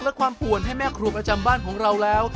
และความป่วนให้แม่ครัวประจำบ้านของเราแล้ว